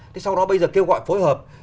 thì sau đó bây giờ kêu gọi phối hợp